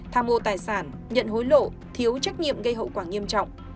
tham mô tài sản nhận hối lộ thiếu trách nhiệm gây hậu quả nghiêm trọng